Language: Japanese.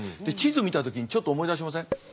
で地図見た時にちょっと思い出しません？